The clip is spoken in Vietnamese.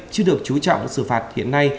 chưa được chú trọng xử phạt hiện nay